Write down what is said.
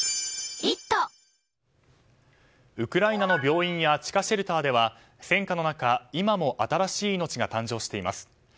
ウクライナの病院や地下シェルターでは戦火の中、今も新しい命が誕生しています。